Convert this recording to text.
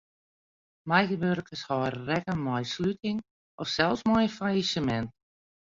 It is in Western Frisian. Meiwurkers hâlde rekken mei sluting of sels mei in fallisemint.